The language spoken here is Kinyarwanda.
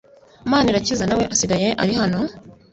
Manirakiza nawe asigaye ari hano?